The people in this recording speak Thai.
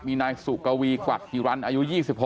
มีนายสุกวีกวักฮิรันอายุ๒๖